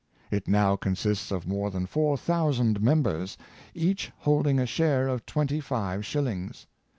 It now consists of more than four thousand members, each holding a share of twenty five shillings.